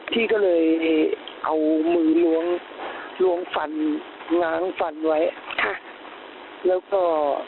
พี่ก็เลยเอามือล้วงล้วงฟันง้างฟันไว้ค่ะแล้วก็